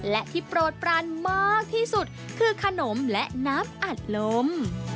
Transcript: และที่โปรดปรันมากที่สุดคือขนมและน้ำอัดลม